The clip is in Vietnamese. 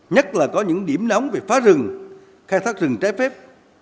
nhất là có những điểm nóng về phá rừng khai thác rừng trái phép